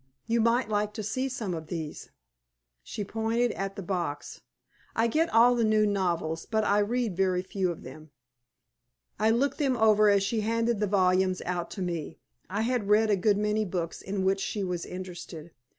You might like to see some of these." She pointed at the box. "I get all the new novels, but I read very few of them." I looked them over as she handed the volumes out to me. I had read a good many books in which she was interested.